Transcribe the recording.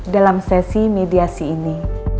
dalam sesi mediasi ini